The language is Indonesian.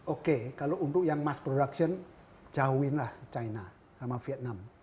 oke kalau untuk yang mass production jauhinlah china sama vietnam